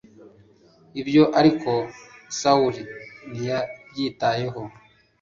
ibyo ariko sawuli ntiyabyitaho